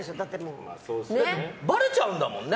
ばれちゃうんだもんね。